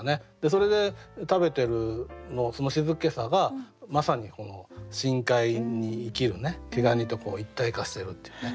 それで食べてるその静けさがまさに深海に生きる毛ガニと一体化してるっていうね